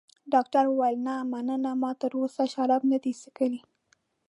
ډاکټر وویل: نه، مننه، ما تراوسه شراب نه دي څښلي.